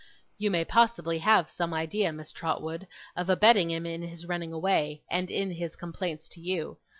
You may possibly have some idea, Miss Trotwood, of abetting him in his running away, and in his complaints to you.